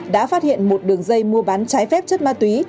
đã phát hiện một đường dây mua bán trái phép chất ma túy